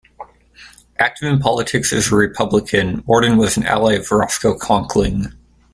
Active in politics as a Republican, Morton was an ally of Roscoe Conkling.